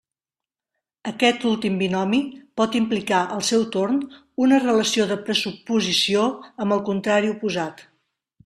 Aquest últim binomi pot implicar, al seu torn, una relació de pressuposició amb el contrari oposat.